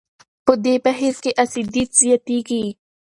په دې بهیر کې اسیدیت زیاتېږي.